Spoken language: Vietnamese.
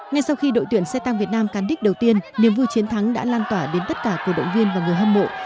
ngay sau khi đội tuyển xe tăng việt nam cán đích đầu tiên niềm vui chiến thắng đã lan tỏa đến tất cả cổ động viên và người hâm mộ